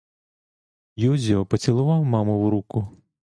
Юзьо поцілував маму в руку.